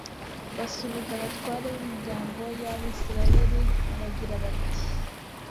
basubiza abatware b'imiryango y'abayisraheli, bagira bati